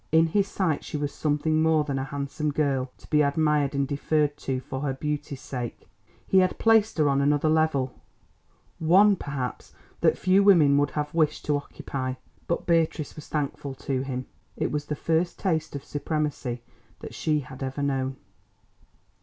In his sight she was something more than a handsome girl to be admired and deferred to for her beauty's sake. He had placed her on another level—one, perhaps, that few women would have wished to occupy. But Beatrice was thankful to him. It was the first taste of supremacy that she had ever known.